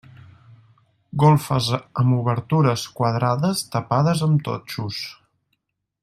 Golfes amb obertures quadrades tapades amb totxos.